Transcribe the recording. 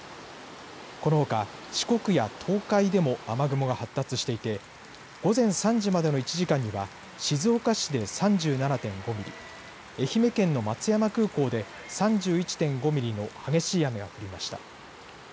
このほか、四国や東海でも雨雲が発達していて午前３時までの１時間には静岡市で３７．５ミリ愛媛県の松山空港で３１．５ミリの激しい雨が降りました。